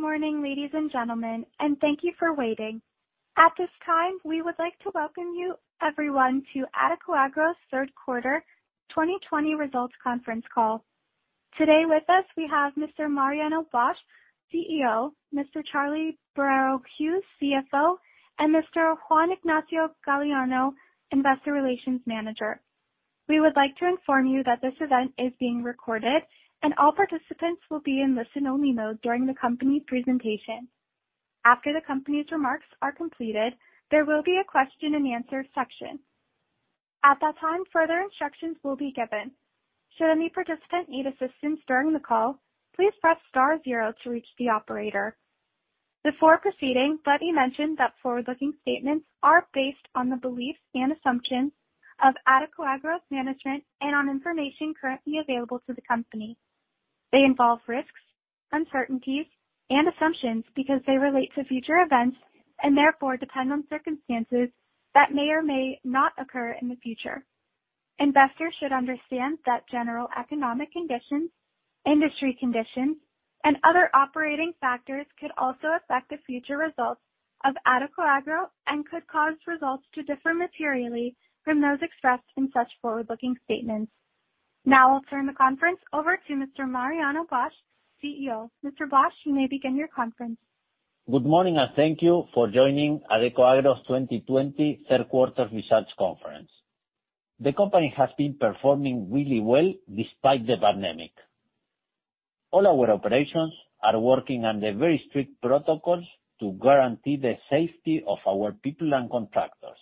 Good morning, ladies and gentlemen, and thank you for waiting. At this time, we would like to welcome you everyone to Adecoagro's Third Quarter 2020 Results Conference Call. Today with us, we have Mr. Mariano Bosch, Chief Executive Officer, Mr. Charlie Boero Hughes, Chief Financial Officer, and Mr. Juan Ignacio Galleano, Investor Relations Manager. We would like to inform you that this event is being recorded, and all participants will be in listen-only mode during the company presentation. After the company's remarks are completed, there will be a question and answer section. At that time, further instructions will be given. Should any participant need assistance during the call, please press star zero to reach the operator. Before proceeding, let me mention that forward-looking statements are based on the beliefs and assumptions of Adecoagro's management and on information currently available to the company. They involve risks, uncertainties, and assumptions because they relate to future events and therefore depend on circumstances that may or may not occur in the future. Investors should understand that general economic conditions, industry conditions, and other operating factors could also affect the future results of Adecoagro and could cause results to differ materially from those expressed in such forward-looking statements. I'll turn the conference over to Mr. Mariano Bosch, CEO. Mr. Bosch, you may begin your conference. Good morning, and thank you for joining Adecoagro's 2020 third quarter results conference. The company has been performing really well despite the pandemic. All our operations are working under very strict protocols to guarantee the safety of our people and contractors.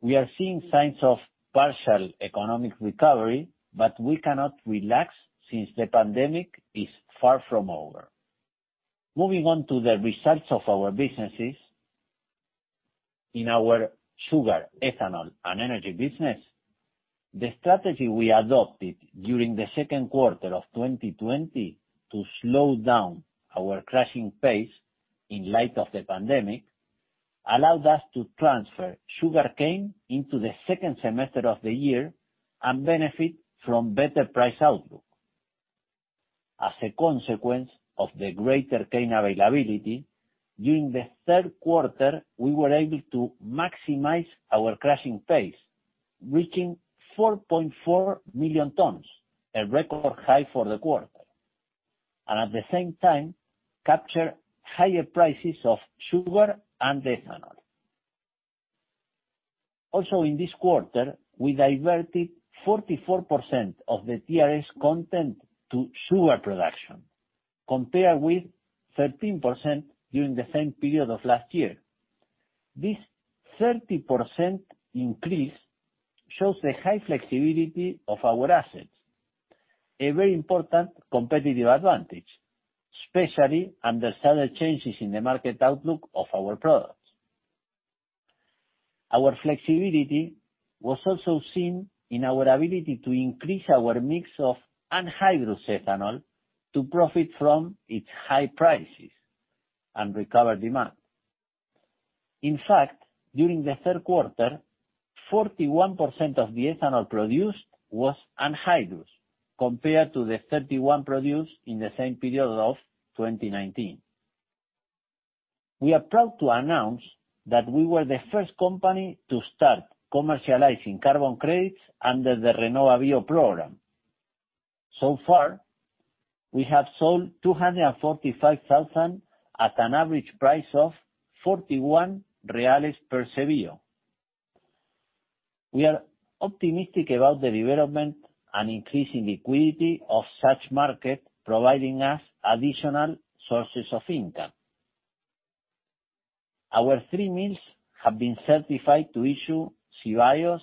We are seeing signs of partial economic recovery, but we cannot relax since the pandemic is far from over. Moving on to the results of our businesses. In our sugar, ethanol, and energy business, the strategy we adopted during the second quarter of 2020 to slow down our crushing pace in light of the pandemic allowed us to transfer sugarcane into the second semester of the year and benefit from better price outlook. As a consequence of the greater cane availability, during the third quarter, we were able to maximize our crushing pace, reaching 4.4 million tons, a record high for the quarter. At the same time, capture higher prices of sugar and ethanol. In this quarter, we diverted 44% of the total reducible sugar content to sugar production, compared with 13% during the same period of last year. This 30% increase shows the high flexibility of our assets, a very important competitive advantage, especially under sudden changes in the market outlook of our products. Our flexibility was also seen in our ability to increase our mix of anhydrous ethanol to profit from its high prices and recover demand. During the third quarter, 41% of the ethanol produced was anhydrous, compared to the 31% produced in the same period of 2019. We are proud to announce that we were the first company to start commercializing carbon credits under the RenovaBio program. So far, we have sold 245,000 at an average price of 41 per CBIO. We are optimistic about the development and increasing liquidity of such market providing us additional sources of income. Our three mills have been certified to issue CBIOs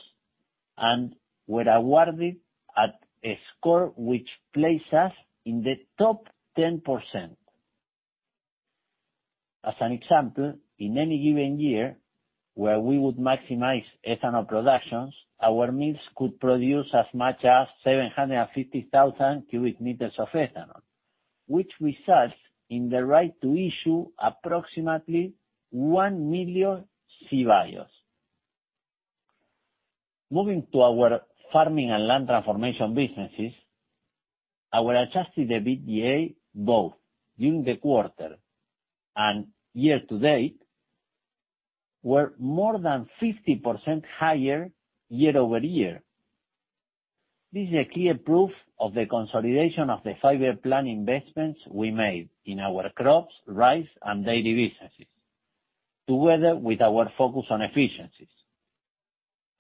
and were awarded at a score which places us in the top 10%. As an example, in any given year where we would maximize ethanol productions, our mills could produce as much as 750,000 cu m of ethanol, which results in the right to issue approximately 1 million CBIOs. Moving to our farming and land transformation businesses, our adjusted EBITDA both during the quarter and year to date were more than 50% higher year-over-year. This is a clear proof of the consolidation of the five-year plan investments we made in our crops, rice, and dairy businesses, together with our focus on efficiencies.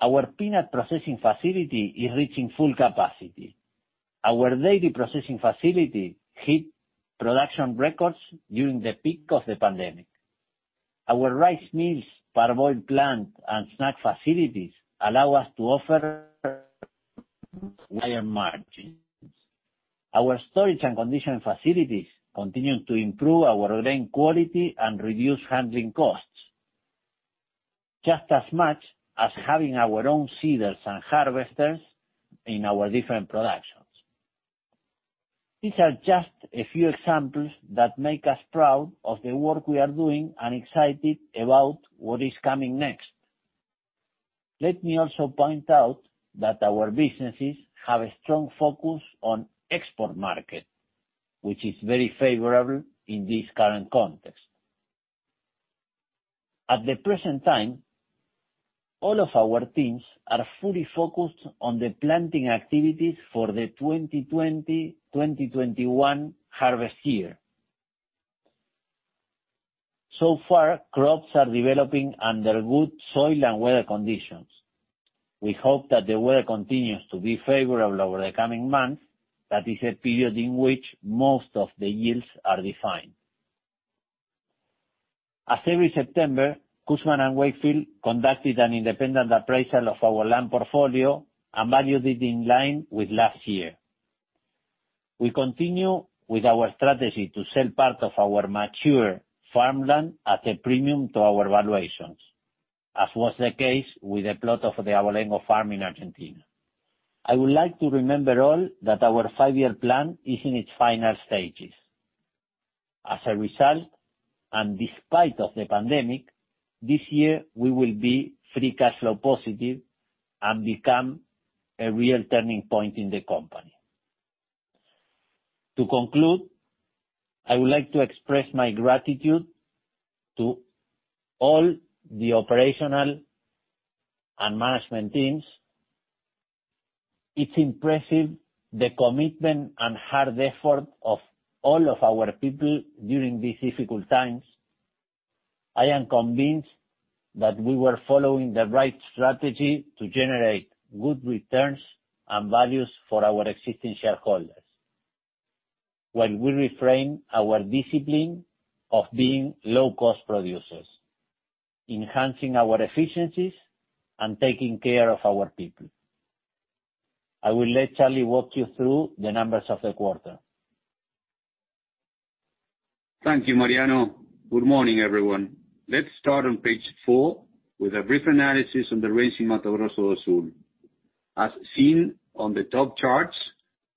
Our peanut processing facility is reaching full capacity. Our dairy processing facility hit production records during the peak of the pandemic. Our rice mills, parboiled plant, and snack facilities allow us to offer higher margins. Our storage and conditioning facilities continue to improve our grain quality and reduce handling costs just as much as having our own seeders and harvesters in our different productions. These are just a few examples that make us proud of the work we are doing and excited about what is coming next. Let me also point out that our businesses have a strong focus on export market, which is very favorable in this current context. At the present time, all of our teams are fully focused on the planting activities for the 2020, 2021 harvest year. So far, crops are developing under good soil and weather conditions. We hope that the weather continues to be favorable over the coming months. That is a period in which most of the yields are defined. As every September, Cushman & Wakefield conducted an independent appraisal of our land portfolio and valued it in line with last year. We continue with our strategy to sell part of our mature farmland at a premium to our valuations, as was the case with a plot of the Abolengo farm in Argentina. I would like to remind all that our five-year plan is in its final stages. As a result, and despite of the pandemic, this year we will be free cash flow positive and become a real turning point in the company. To conclude, I would like to express my gratitude to all the operational and management teams. It's impressive the commitment and hard effort of all of our people during these difficult times. I am convinced that we were following the right strategy to generate good returns and values for our existing shareholders, while we reframe our discipline of being low-cost producers, enhancing our efficiencies, and taking care of our people. I will let Charlie Boero Hughes walk you through the numbers of the quarter. Thank you, Mariano. Good morning, everyone. Let's start on page four with a brief analysis on the rains in Mato Grosso do Sul. As seen on the top charts,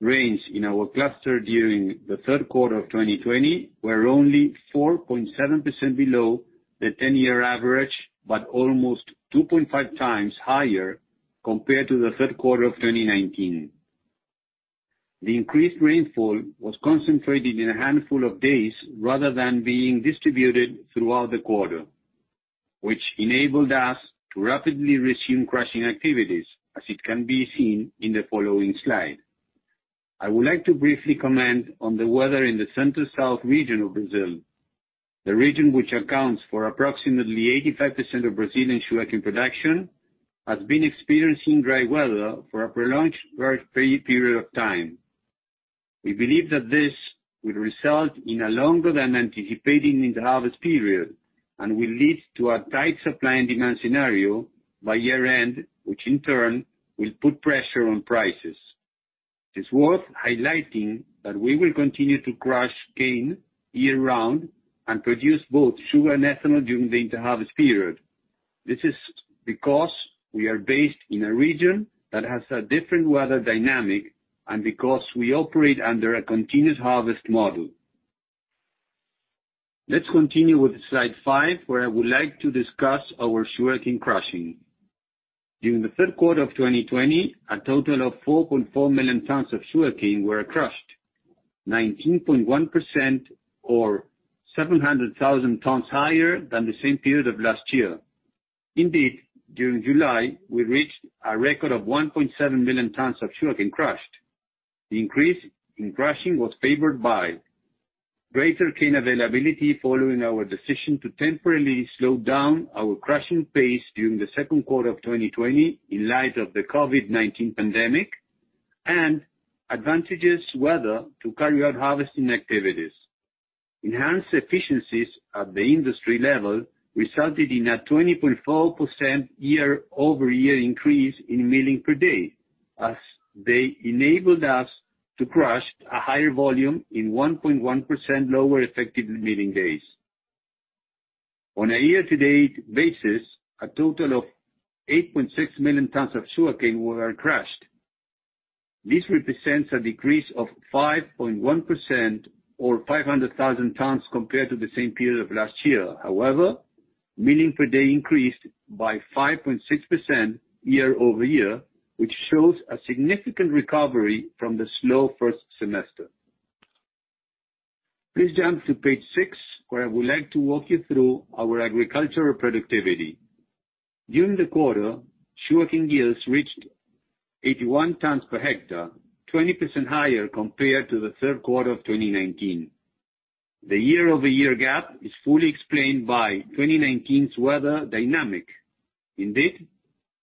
rains in our cluster during the third quarter of 2020 were only 4.7% below the 10-year average, but almost 2.5x higher compared to the third quarter of 2019. The increased rainfall was concentrated in a handful of days rather than being distributed throughout the quarter, which enabled us to rapidly resume crushing activities, as it can be seen in the following slide. I would like to briefly comment on the weather in the Center-South region of Brazil. The region, which accounts for approximately 85% of Brazilian sugarcane production, has been experiencing dry weather for a prolonged period of time. We believe that this will result in a longer than anticipated inter-harvest period and will lead to a tight supply and demand scenario by year-end, which in turn will put pressure on prices. It's worth highlighting that we will continue to crush cane year-round and produce both sugar and ethanol during the inter-harvest period. This is because we are based in a region that has a different weather dynamic, and because we operate under a continuous harvest model. Let's continue with slide five, where I would like to discuss our sugarcane crushing. During the third quarter of 2020, a total of 4.4 million tons of sugarcane were crushed, 19.1% or 700,000 tons higher than the same period of last year. Indeed, during July, we reached a record of 1.7 million tons of sugarcane crushed. The increase in crushing was favored by greater cane availability following our decision to temporarily slow down our crushing pace during the second quarter of 2020 in light of the COVID-19 pandemic, and advantageous weather to carry out harvesting activities. Enhanced efficiencies at the industry level resulted in a 20.4% year-over-year increase in milling per day, as they enabled us to crush a higher volume in 1.1% lower effective milling days. On a year-to-date basis, a total of 8.6 million tons of sugarcane were crushed. This represents a decrease of 5.1% or 500,000 tons compared to the same period of last year. However, milling per day increased by 5.6% year-over-year, which shows a significant recovery from the slow first semester. Please jump to page six, where I would like to walk you through our agricultural productivity. During the quarter, sugarcane yields reached 81 tons per hectare, 20% higher compared to the third quarter of 2019. The year-over-year gap is fully explained by 2019's weather dynamic. Indeed,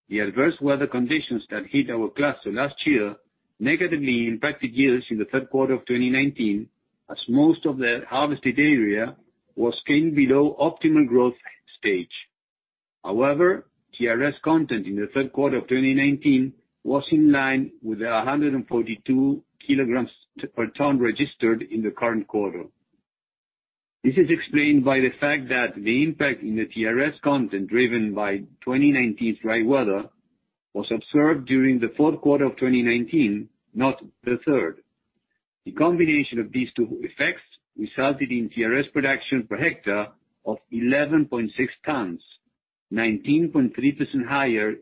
the adverse weather conditions that hit our cluster last year negatively impacted yields in the third quarter of 2019, as most of the harvested area was cane below optimal growth stage. However, TRS content in the third quarter of 2019 was in line with the 142 kilograms per ton registered in the current quarter. This is explained by the fact that the impact in the TRS content driven by 2019's dry weather was observed during the fourth quarter of 2019, not the third. The combination of these two effects resulted in TRS production per hectare of 11.6 tons, 19.3% higher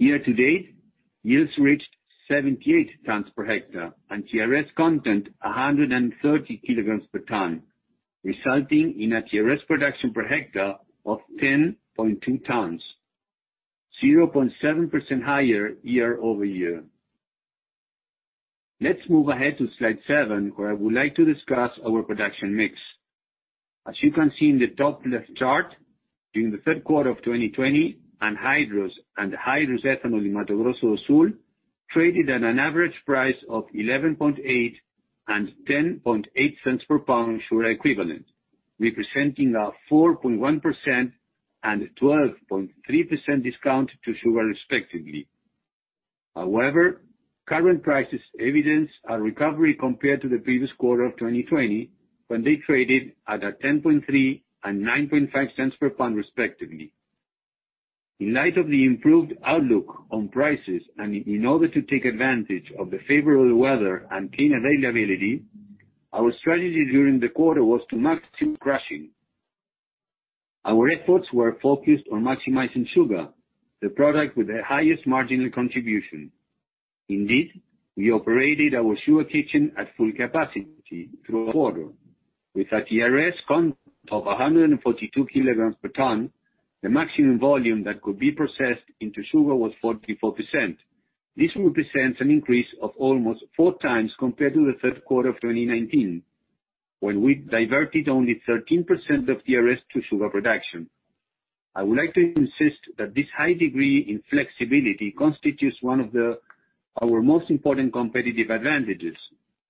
year-over-year. Year-to-date, yields reached 78 tons per hectare and TRS content 130 kg per ton, resulting in a TRS production per hectare of 10.2 tons, 0.7% higher year-over-year. Let's move ahead to slide seven, where I would like to discuss our production mix. As you can see in the top left chart, during the third quarter of 2020, anhydrous and hydrous ethanol in Mato Grosso do Sul traded at an average price of $0.118 and $0.108 per pound sugar equivalent, representing a 4.1% and 12.3% discount to sugar respectively. Current prices evidence a recovery compared to the previous quarter of 2020, when they traded at $0.103 and $0.095 per pound respectively. In light of the improved outlook on prices and in order to take advantage of the favorable weather and cane availability, our strategy during the quarter was to maximum crushing. Our efforts were focused on maximizing sugar, the product with the highest marginal contribution. Indeed, we operated our sugar kitchen at full capacity through a quarter. With a TRS content of 142 kg per ton, the maximum volume that could be processed into sugar was 44%. This represents an increase of almost four times compared to the third quarter of 2019, when we diverted only 13% of TRS to sugar production. I would like to insist that this high degree in flexibility constitutes one of our most important competitive advantages,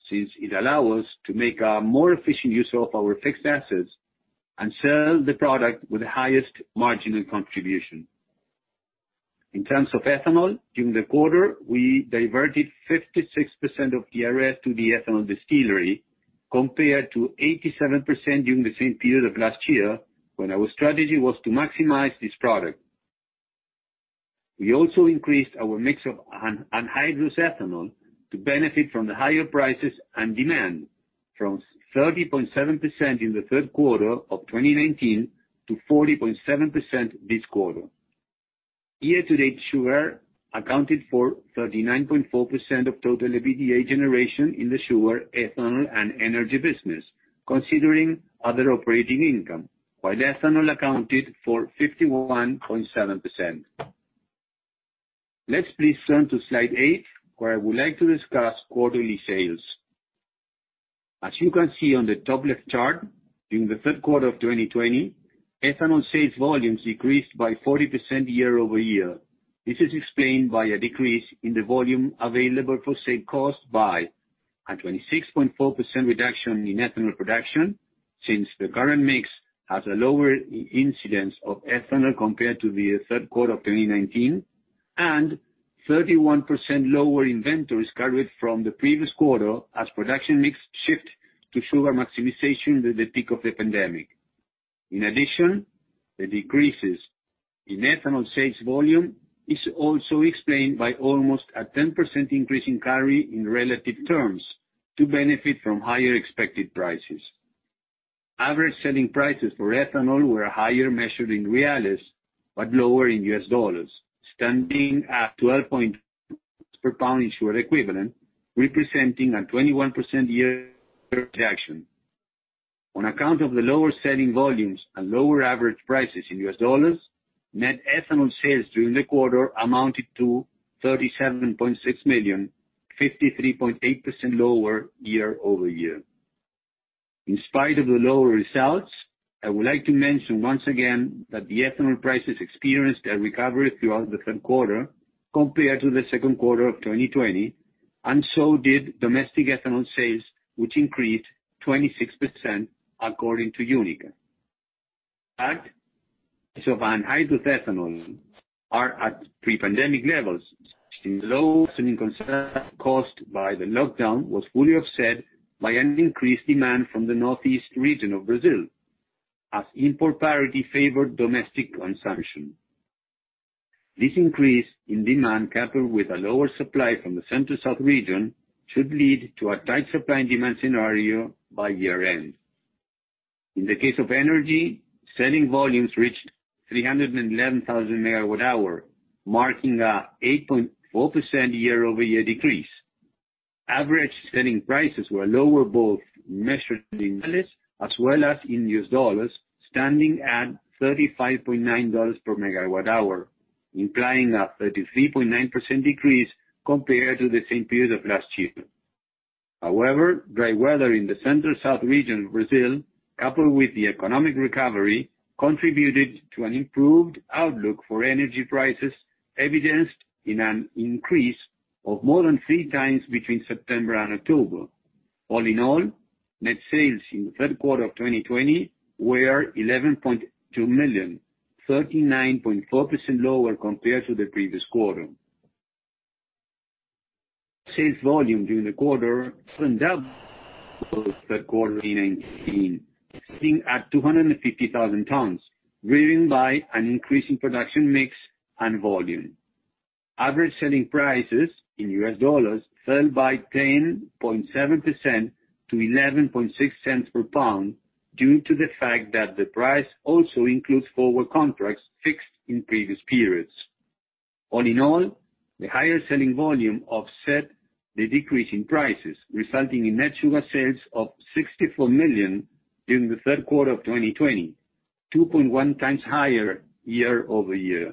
since it allow us to make a more efficient use of our fixed assets and sell the product with the highest marginal contribution. In terms of ethanol, during the quarter, we diverted 56% of TRS to the ethanol distillery, compared to 87% during the same period of last year when our strategy was to maximize this product. We also increased our mix of anhydrous ethanol to benefit from the higher prices and demand, from 30.7% in the third quarter of 2019 to 40.7% this quarter. Year to date, sugar accounted for 39.4% of total EBITDA generation in the sugar, ethanol, and energy business, considering other operating income, while ethanol accounted for 51.7%. Let's please turn to slide eight, where I would like to discuss quarterly sales. As you can see on the top left chart, during the third quarter of 2020, ethanol sales volumes decreased by 40% year-over-year. This is explained by a decrease in the volume available for sale caused by a 26.4% reduction in ethanol production since the current mix has a lower incidence of ethanol compared to the third quarter of 2019, and 31% lower inventories carried from the previous quarter as production mix shift to sugar maximization with the peak of the pandemic. In addition, the decreases in ethanol sales volume is also explained by almost a 10% increase in carry in relative terms to benefit from higher expected prices. Average selling prices for ethanol were higher measured in BRL, but lower in USD, standing at $0.12 per pound in sugar equivalent, representing a 21% year-over-year reduction. On account of the lower selling volumes and lower average prices in USD, net ethanol sales during the quarter amounted to $37.6 million, 53.8% lower year-over-year. In spite of the lower results, I would like to mention once again that the ethanol prices experienced a recovery throughout the third quarter compared to the second quarter of 2020, domestic ethanol sales, which increased 26%, according to UNICA. At an anhydrous ethanol are at pre-pandemic levels caused by the lockdown was fully offset by an increased demand from the Northeast region of Brazil, as import parity favored domestic consumption. This increase in demand, coupled with a lower supply from the Central-South region, should lead to a tight supply and demand scenario by year-end. In the case of energy, selling volumes reached 311,000 MWh, marking a 8.4% year-over-year decrease. Average selling prices were lower both measured in BRL as well as in US dollars, standing at $35.9 per megawatt hour, implying a 33.9% decrease compared to the same period of last year. Dry weather in the Center-South region of Brazil, coupled with the economic recovery, contributed to an improved outlook for energy prices, evidenced in an increase of more than three times between September and October. Net sales in the third quarter of 2020 were 11.2 million, 39.4% lower compared to the previous quarter. Sales volume during the quarter more than doubled Third quarter 2019, sitting at 250,000 tons, driven by an increase in production mix and volume. Average selling prices in US dollars fell by 10.7% to $0.116 per pound due to the fact that the price also includes forward contracts fixed in previous periods. All in all, the higher selling volume offset the decrease in prices, resulting in net sugar sales of 64 million during the third quarter of 2020, 2.1x higher year-over-year.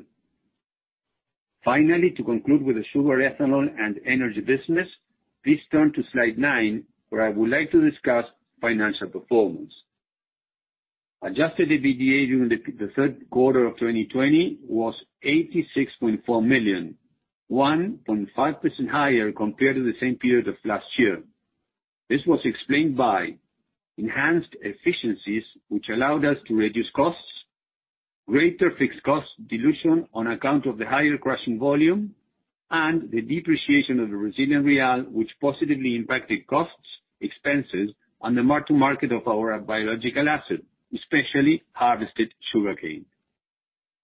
Finally, to conclude with the sugar ethanol and energy business, please turn to slide nine, where I would like to discuss financial performance. Adjusted EBITDA during the third quarter of 2020 was 86.4 million, 1.5% higher compared to the same period of last year. This was explained by enhanced efficiencies, which allowed us to reduce costs, greater fixed cost dilution on account of the higher crushing volume, and the depreciation of the Brazilian real, which positively impacted costs, expenses, and the mark-to-market of our biological asset, especially harvested sugarcane.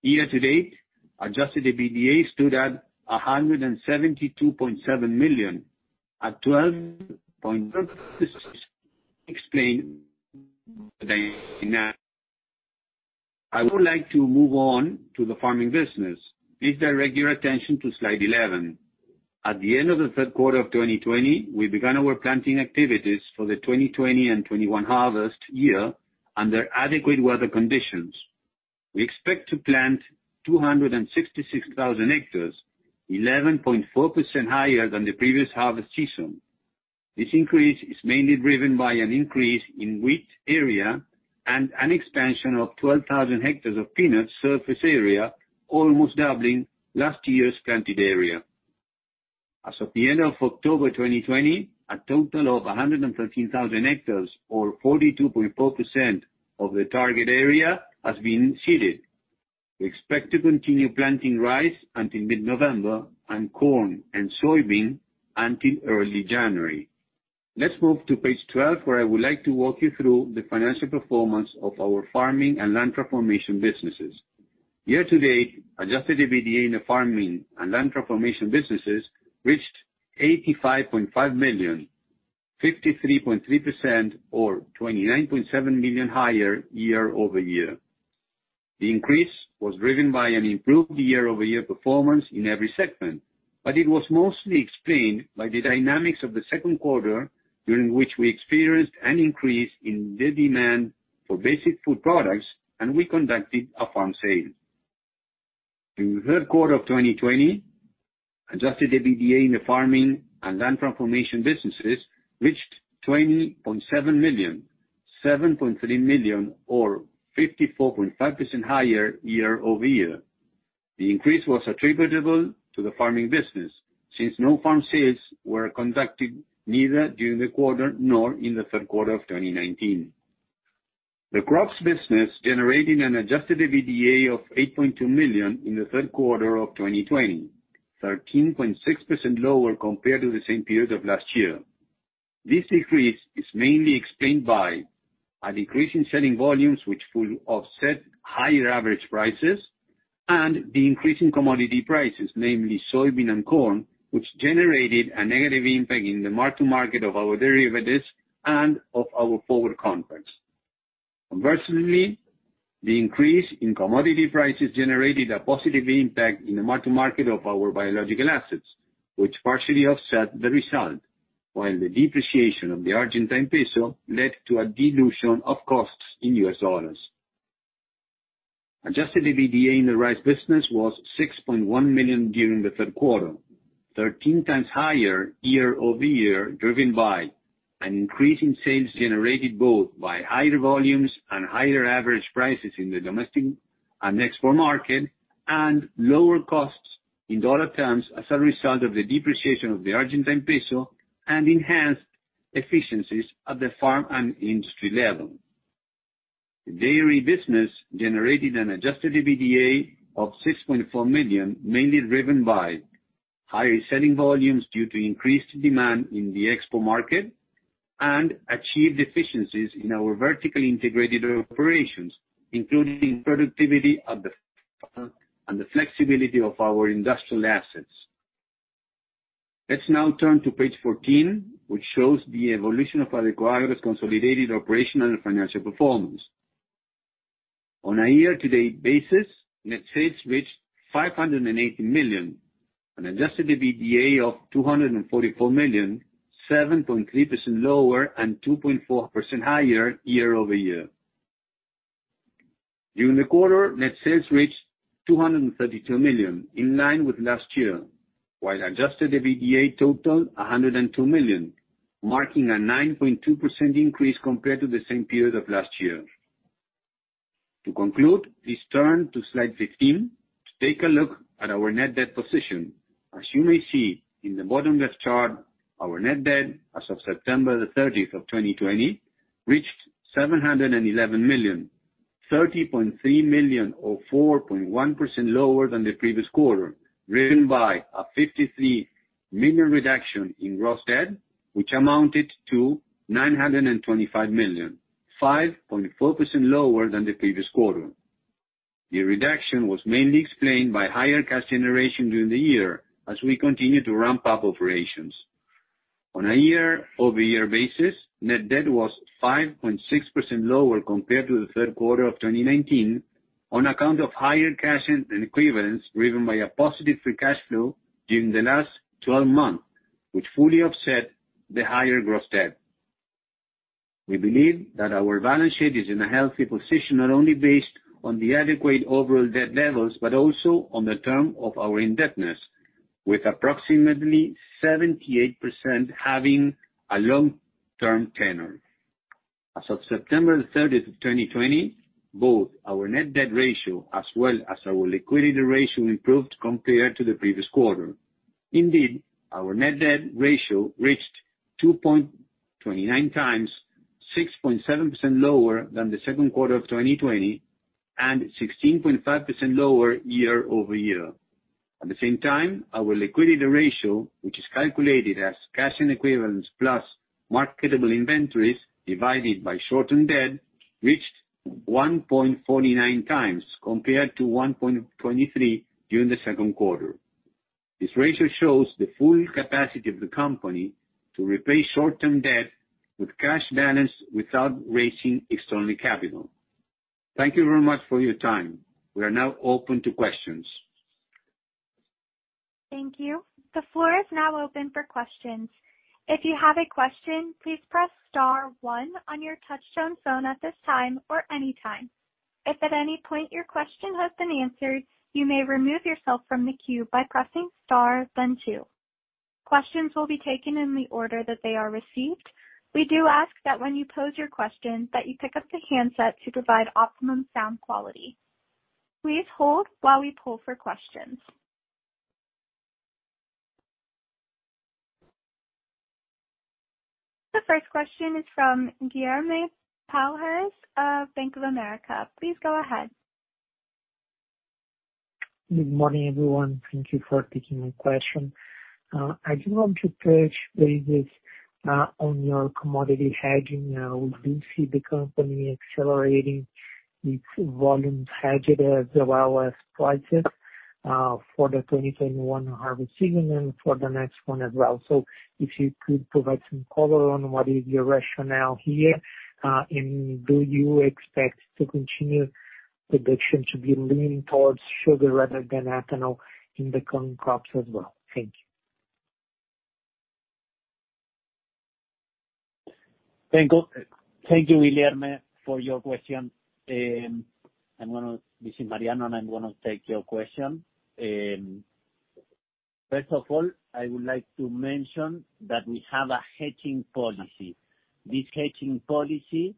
Year-to-date, Adjusted EBITDA stood at 172.7 million, at 12.6%. I would like to move on to the farming business. Please direct your attention to slide 11. At the end of the third quarter of 2020, we began our planting activities for the 2020 and 2021 harvest year under adequate weather conditions. We expect to plant 266,000 hectares, 11.4% higher than the previous harvest season. This increase is mainly driven by an increase in wheat area and an expansion of 12,000 hectares of peanut surface area, almost doubling last year's planted area. As of the end of October 2020, a total of 113,000 hectares, or 42.4% of the target area, has been seeded. We expect to continue planting rice until mid-November, and corn and soybean until early January. Let's move to page 12, where I would like to walk you through the financial performance of our farming and land transformation businesses. Year-to-date, adjusted EBITDA in the farming and land transformation businesses reached 85.5 million, 53.3% or 29.7 million higher year-over-year. The increase was driven by an improved year-over-year performance in every segment, but it was mostly explained by the dynamics of the second quarter, during which we experienced an increase in the demand for basic food products, and we conducted a farm sale. In the third quarter of 2020, adjusted EBITDA in the farming and land transformation businesses reached 20.7 million, 7.3 million or 54.5% higher year-over-year. The increase was attributable to the farming business, since no farm sales were conducted, neither during the quarter nor in the third quarter of 2019. The crops business generating an adjusted EBITDA of 8.2 million in the third quarter of 2020, 13.6% lower compared to the same period of last year. This decrease is mainly explained by a decrease in selling volumes, which fully offset higher average prices and the increase in commodity prices, namely soybean and corn, which generated a negative impact in the mark-to-market of our derivatives and of our forward contracts. Conversely, the increase in commodity prices generated a positive impact in the mark-to-market of our biological assets, which partially offset the result, while the depreciation of the Argentine peso led to a dilution of costs in US dollars. Adjusted EBITDA in the rice business was $6.1 million during the third quarter, 13x higher year-over-year, driven by an increase in sales generated both by higher volumes and higher average prices in the domestic and export market, and lower costs in dollar terms as a result of the depreciation of the Argentine peso and enhanced efficiencies at the farm and industry level. The dairy business generated an adjusted EBITDA of 6.4 million, mainly driven by higher selling volumes due to increased demand in the export market and achieved efficiencies in our vertically integrated operations, including productivity at the farm and the flexibility of our industrial assets. Let's now turn to page 14, which shows the evolution of Adecoagro's consolidated operational and financial performance. On a year-to-date basis, net sales reached BRL 580 million, an adjusted EBITDA of $244 million, 7.3% lower and 2.4% higher year-over-year. During the quarter, net sales reached $232 million, in line with last year, while adjusted EBITDA totaled $102 million, marking a 9.2% increase compared to the same period of last year. To conclude, please turn to slide 15 to take a look at our net debt position. As you may see in the bottom left chart, our net debt as of September the 30th of 2020, reached $711.3 million or 4.1% lower than the previous quarter, driven by a $53 million reduction in gross debt, which amounted to $925 million, 5.4% lower than the previous quarter. The reduction was mainly explained by higher cash generation during the year as we continue to ramp up operations. On a year-over-year basis, net debt was 5.6% lower compared to the third quarter of 2019 on account of higher cash and equivalents, driven by a positive free cash flow during the last 12 months, which fully offset the higher gross debt. We believe that our balance sheet is in a healthy position, not only based on the adequate overall debt levels, but also on the term of our indebtedness, with approximately 78% having a long-term tenor. As of September 30th of 2020, both our net debt ratio as well as our liquidity ratio improved compared to the previous quarter. Our net debt ratio reached 2.29x, 6.7% lower than the second quarter of 2020 and 16.5% lower year-over-year. At the same time, our liquidity ratio, which is calculated as cash and equivalents plus marketable inventories divided by short-term debt, reached 1.49x compared to 1.23x during the second quarter. This ratio shows the full capacity of the company to repay short-term debt with cash balance without raising external capital. Thank you very much for your time. We are now open to questions. Thank you. The floor is now open for questions. If you have a question, please press star one on your touchtone phone at this time or anytime. If at any point your question has been answered, you may remove yourself from the queue by pressing star then two. Questions will be taken in the order that they are received. We do ask that when you pose your question, that you pick up the handset to provide optimum sound quality. Please hold while we poll for questions. The first question is from Guilherme Palhares of Bank of America. Please go ahead. Good morning, everyone. Thank you for taking my question. I do want to touch base on your commodity hedging. We do see the company accelerating its volumes hedged, as well as prices, for the 2021 harvest season and for the next one as well. If you could provide some color on what is your rationale here, and do you expect to continue production to be leaning towards sugar rather than ethanol in the coming crops as well? Thank you. Thank you, Guilherme, for your question. This is Mariano, and I'm going to take your question. First of all, I would like to mention that we have a hedging policy. This hedging policy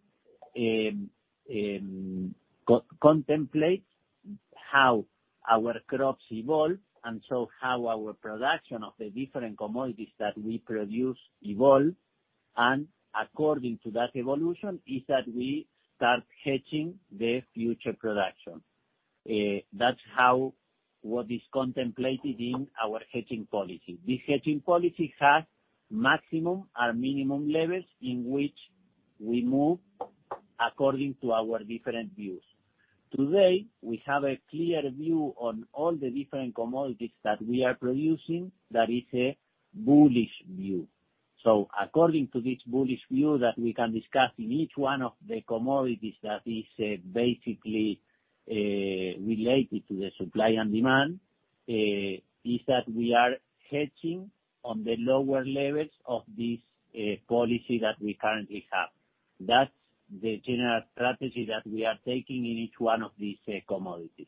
contemplates how our crops evolve, and so how our production of the different commodities that we produce evolve, and according to that evolution, is that we start hedging the future production. That's what is contemplated in our hedging policy. This hedging policy has maximum or minimum levels in which we move according to our different views. Today, we have a clear view on all the different commodities that we are producing, that is a bullish view. According to this bullish view that we can discuss in each one of the commodities that is basically related to the supply and demand, is that we are hedging on the lower levels of this policy that we currently have. That's the general strategy that we are taking in each one of these commodities.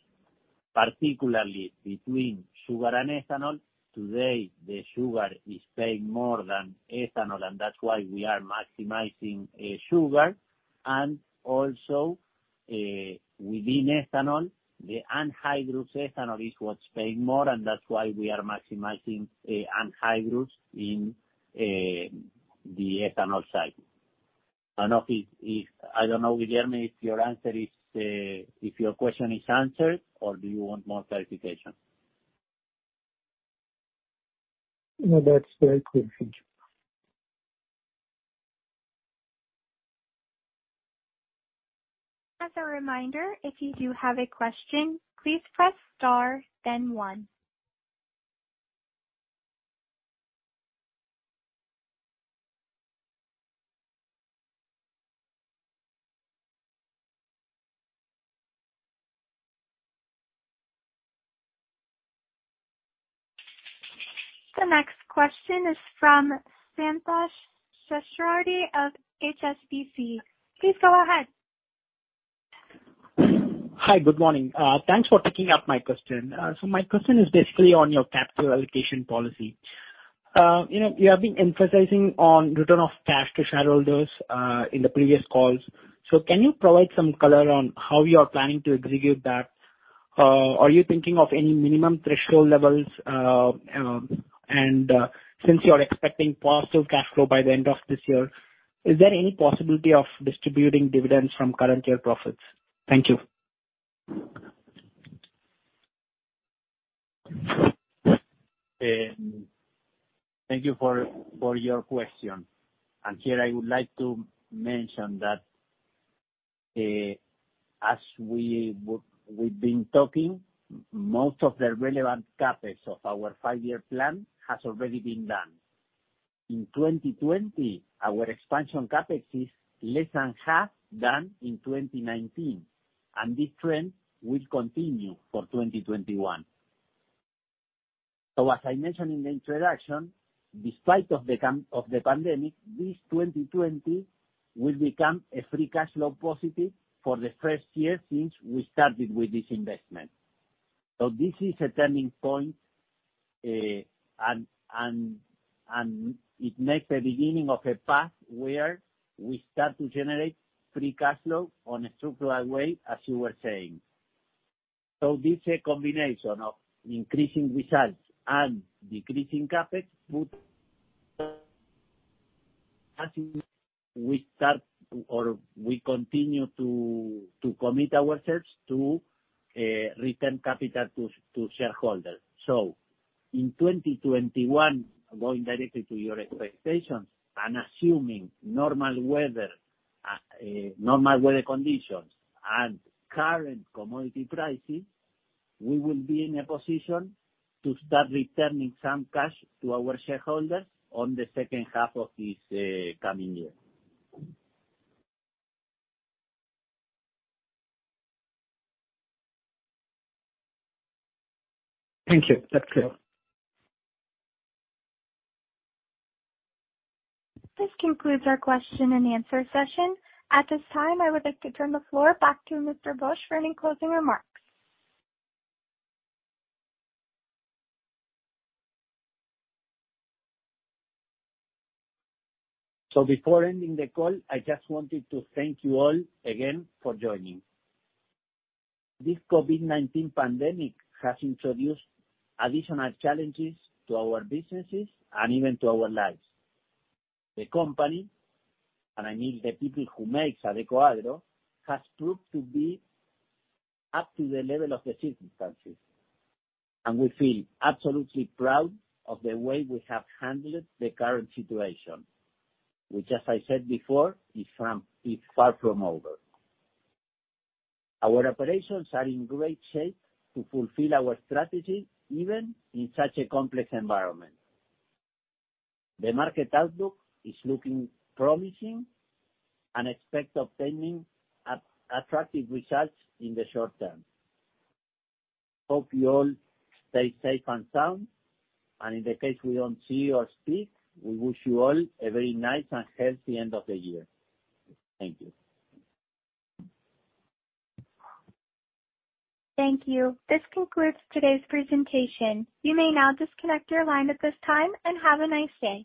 Particularly between sugar and ethanol, today, the sugar is paying more than ethanol, and that's why we are maximizing sugar. Also, within ethanol, the anhydrous ethanol is what's paying more, and that's why we are maximizing anhydrous in the ethanol side. I don't know, Guilherme, if your question is answered, or do you want more clarification? No, that's very clear. Thank you. The next question is from Santhosh Seshadri of HSBC. Please go ahead. Hi. Good morning. Thanks for taking up my question. My question is basically on your capital allocation policy. You have been emphasizing on return of cash to shareholders, in the previous calls. Can you provide some color on how you are planning to execute that? Are you thinking of any minimum threshold levels? Since you are expecting positive cash flow by the end of this year, is there any possibility of distributing dividends from current year profits? Thank you. Thank you for your question. Here I would like to mention that as we've been talking, most of the relevant CapEx of our 5-year plan has already been done. In 2020, our expansion CapEx is less than half done in 2019, and this trend will continue for 2021. As I mentioned in the introduction, despite of the pandemic, this 2020 will become a free cash flow positive for the first year since we started with this investment. This is a turning point, and it makes the beginning of a path where we start to generate free cash flow on a structural way, as you were saying. This is a combination of increasing results and decreasing CapEx as we start, or we continue to commit ourselves to return capital to shareholders. In 2021, going directly to your expectations and assuming normal weather conditions and current commodity pricing, we will be in a position to start returning some cash to our shareholders on the second half of this coming year. Thank you. That's clear. This concludes our question and answer session. At this time, I would like to turn the floor back to Mr. Bosch for any closing remarks. Before ending the call, I just wanted to thank you all again for joining. This COVID-19 pandemic has introduced additional challenges to our businesses and even to our lives. The company, I mean the people who make Adecoagro, has proved to be up to the level of the circumstances, and we feel absolutely proud of the way we have handled the current situation, which, as I said before, is far from over. Our operations are in great shape to fulfill our strategy, even in such a complex environment. The market outlook is looking promising and expect obtaining attractive results in the short term. Hope you all stay safe and sound, and in the case we don't see or speak, we wish you all a very nice and healthy end of the year. Thank you. Thank you. This concludes today's presentation. You may now disconnect your line at this time, and have a nice day.